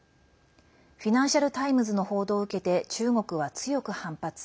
フィナンシャル・タイムズの報道を受けて中国は強く反発。